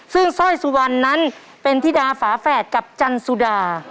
ซึ่งสร้อยสุวรรณนั้นเป็นธิดาฝาแฝดกับจันสุดา